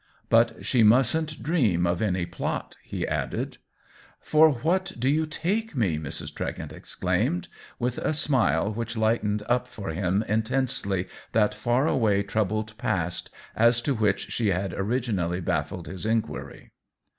" But she mustn't dream of any plot," he added. 88 THE WHEEL OF TIME " For what do you take me ?" Mrs. Tre gent exclaimed, with a smile which lightened up for him intensely that far away troubled past as to which she had originally baffled his inquiry.